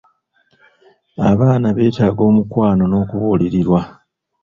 Abaana beetaaga omukwano n'okulabirirwa.